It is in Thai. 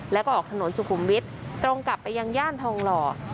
แล้วก็ออกถนนสุขุมวิทย์ตรงกลับไปยังย่านทองหล่อ